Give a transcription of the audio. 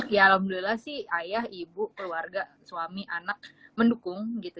ya alhamdulillah sih ayah ibu keluarga suami anak mendukung gitu